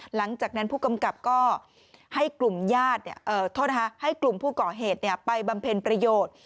หลังจากนั้นผู้กำกับก็ให้กลุ่มผู้ก่อเหตุไปบำเพ็ญประโยชน์